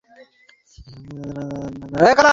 যে আগুন আমার অন্তরে জ্বলছে তার তীব্রতা তোমার জানা নেই।